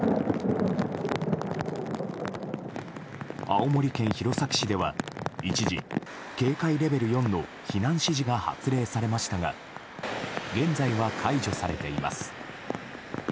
青森県弘前市では一時警戒レベル４の避難指示が発令されましたが現在は解除されています。